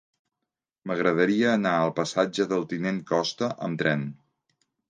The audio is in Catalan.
M'agradaria anar al passatge del Tinent Costa amb tren.